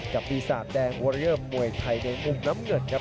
กับวิสัตว์แดงวอร์ยอร์มวยไทยในมุมน้ำเหงือดครับ